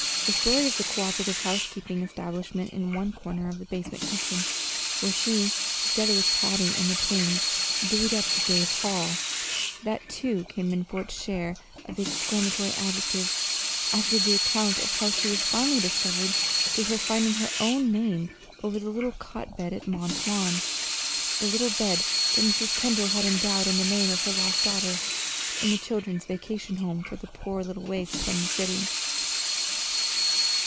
The story of the coöperative housekeeping establishment in one corner of the basement kitchen, where she, together with Patty and the twins, "divvied up" the day's "haul," that, too, came in for its share of exclamatory adjectives, as did the account of how she was finally discovered through her finding her own name over the little cot bed at Mont Lawn the little bed that Mrs. Kendall had endowed in the name of her lost daughter, in the children's vacation home for the poor little waifs from the city.